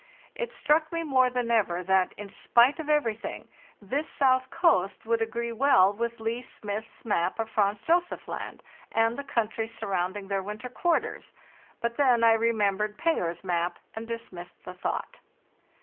It struck me more than ever that, in spite of everything, this south coast would agree well with Leigh Smith's map of Franz Josef Land and the country surrounding their winter quarters; but then | remembered Payer's map and dismissed the thought.